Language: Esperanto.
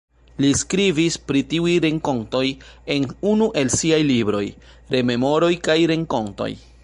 Li skribis pri tiuj renkontoj en unu el siaj libroj: "Rememoroj kaj renkontoj".